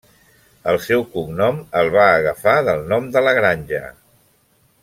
El seu cognom el va agafar del nom de la granja.